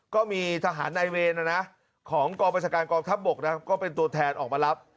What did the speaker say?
ก็มีทหารในเวร